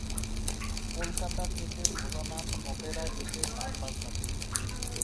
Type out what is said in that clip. কলকাতা থেকে ভোলানাথ অপেরা এসে গান বাজনা করতো।